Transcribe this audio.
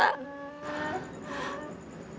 dan saya punya tempat tinggal di kota